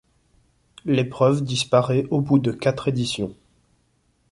L'épreuve disparaît au bout de quatre éditions.